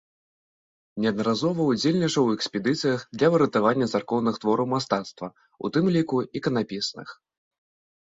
Неаднаразова ўдзельнічаў у экспедыцыях для выратавання царкоўных твораў мастацтва, у тым ліку іканапісных.